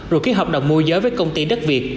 rồi ký hợp đồng môi giới với công ty đất việt